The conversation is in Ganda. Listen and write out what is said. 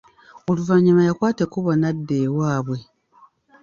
Oluvannyuma yakwata ekubo n'adda ewaabwe.